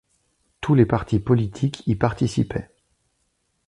Tous les partis politiques y participaient.